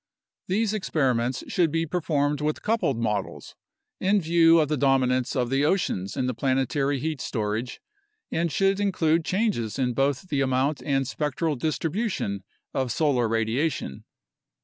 These experiments should be performed with coupled models, in view of the dominance of the oceans in the planetary heat storage, and should include changes in both the amount and spectral distribution of solar radiation.